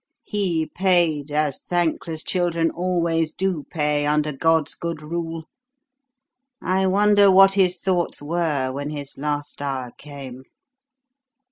He paid, as thankless children always do pay under God's good rule. I wonder what his thoughts were when his last hour came."